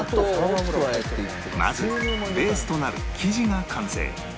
まずベースとなる生地が完成